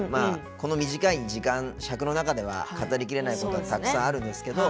この短い尺の中では語りきれないことはたくさんあるんですけど